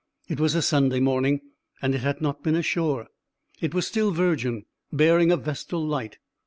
It was a Sunday morning, and it had not been ashore. It was still virgin, bearing a vestal light.